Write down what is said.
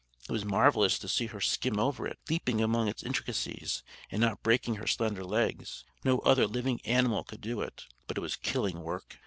It was marvellous to see her skim over it, leaping among its intricacies, and not breaking her slender legs. No other living animal could do it. But it was killing work.